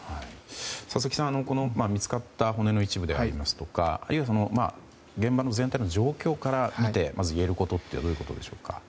佐々木さん、見つかった骨の一部でありますとかあるいは現場全体の状況から見てまずいえることというのはどういうことでしょうか？